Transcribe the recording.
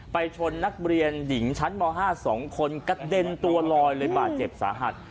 ไปชนนักเรียนหญิงชั้นม๕๒คนกระเด็นตัวลอยเลยบาดเจ็บสาหัส